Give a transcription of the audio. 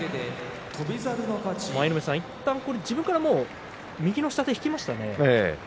舞の海さん、いったん自分から右の下手、引きましたね。